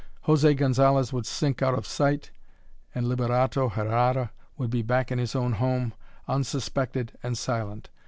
José Gonzalez would sink out of sight, and Liberato Herrara would be back in his own home, unsuspected and silent.